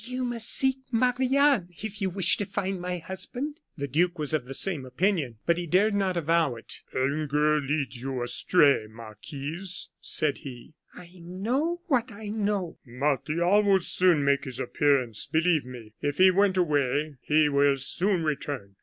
"You must seek Marie Anne if you wish to find my husband." The duke was of the same opinion, but he dared not avow it. "Anger leads you astray, Marquise," said he. "I know what I know." "Martial will soon make his appearance, believe me. If he went away, he will soon return.